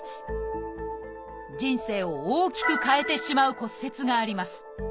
今日は人生を大きく変えてしまう骨折があります。